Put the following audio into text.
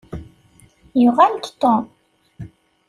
Yuɣal-d Tom.